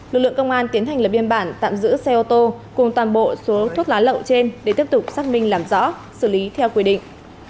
lực lượng công an tiến hành lập biên bản tạm giữ xe ô tô cùng toàn bộ số thuốc lá lậu trên để tiếp tục xác minh làm rõ xử lý theo quy định